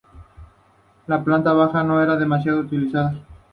La planta baja no era demasiado utilizada.